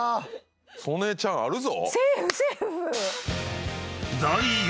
曽根ちゃんあるぞ。